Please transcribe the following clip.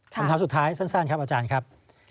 คำถามสุดท้ายสั้นครับอาจารย์ครับ